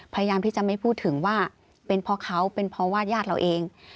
พยายามที่จะไม่พูดถึงว่าเป็นเพราะเขาเป็นเพราะว่าญาติเราเอง